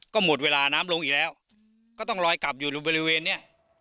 ก็หมดเวลาน้ำลงอีกแล้วก็ต้องลอยกลับอยู่บริเวณนี้